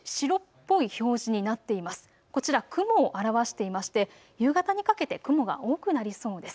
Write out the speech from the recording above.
こちら雲を表していまして夕方にかけて雲が多くなりそうです。